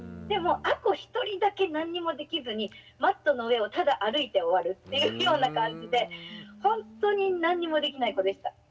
でも亜子一人だけ何もできずにマットの上をただ歩いて終わるっていうような感じでほんとに何もできない子でした。